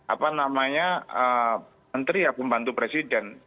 apa namanya menteri ya pembantu presiden